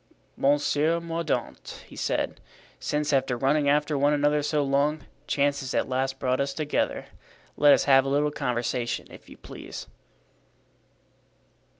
"Monsieur Mordaunt," he said, "since, after running after one another so long, chance has at last brought us together, let us have a little conversation, if you please."